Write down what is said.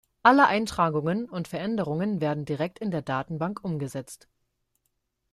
Alle Eintragungen und Veränderungen werden direkt in der Datenbank umgesetzt.